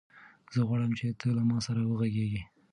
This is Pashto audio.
زه غواړم چې ته له ما سره وغږېږې.